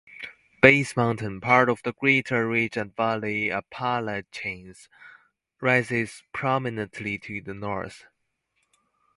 Bays Mountain, part of the greater Ridge-and-Valley Appalachians, rises prominently to the north.